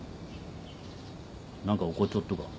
なんか怒っちょっとか？